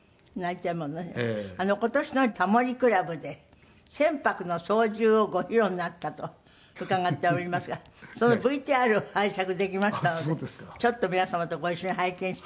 今年の『タモリ倶楽部』で船舶の操縦をご披露になったと伺っておりますがそのＶＴＲを拝借できましたのでちょっと皆様とご一緒に拝見したいと思います。